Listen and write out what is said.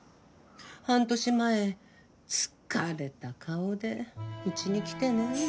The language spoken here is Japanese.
半年前疲れた顔でうちに来てね。